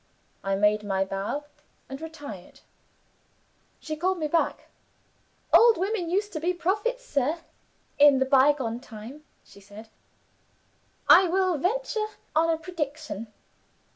I made my bow, and retired. She called me back. 'Old women used to be prophets, sir, in the bygone time,' she said. 'I will venture on a prediction.